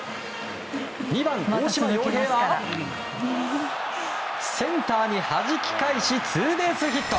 ２番、大島洋平はセンターにはじき返しツーベースヒット。